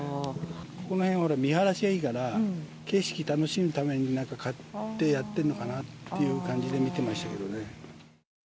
この辺、ほら、見晴らしがいいから、景色楽しむためになんか、買って、やってるのかなって感じで見てましたけどね。